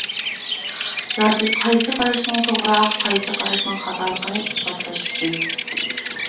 زادى قايسى قاراشنىڭ توغرا، قايسى قاراشنىڭ خاتالىقىنى ئىسپاتلاش ئۈچۈن.